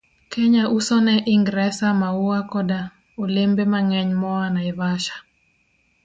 Kenya uso ne Ingresa maua koda olembe mang'eny moa Naivasha,